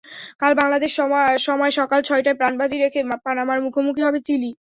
কাল বাংলাদেশ সময় সকাল ছয়টায় প্রাণবাজি রেখে পানামার মুখোমুখি হবে চিলি।